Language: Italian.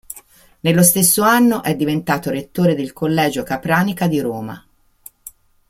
Nello stesso anno è diventato rettore del collegio Capranica di Roma.